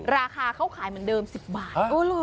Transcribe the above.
ราคาเขาขายเหมือนเดิม๑๐บาท